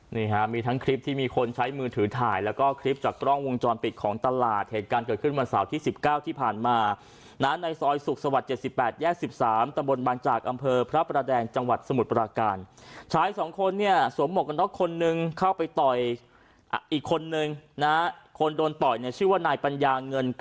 นี่ฮะมีทั้งคลิปที่มีคนใช้มือถือถ่ายแล้วก็คลิปจากกล้องวงจรปิดของตลาดเหตุการณ์เกิดขึ้นวันเสาร์ที่๑๙ที่ผ่านมานะในซอยสุขสวรรค์๗๘แยก๑๓ตะบนบางจากอำเภอพระประแดงจังหวัดสมุทรปราการชายสองคนเนี่ยสวมหมวกกันน็อกคนนึงเข้าไปต่อยอีกคนนึงนะคนโดนต่อยเนี่ยชื่อว่านายปัญญาเงินก